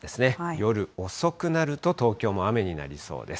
夜遅くなると東京も雨になりそうです。